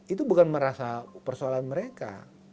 itu bukan merasa persoalan mereka